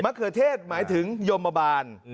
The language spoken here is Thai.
มะเขือเทศหมายถึงยมบาบาน